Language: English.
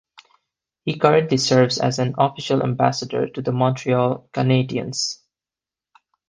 He currently serves as an official ambassador to the Montreal Canadiens.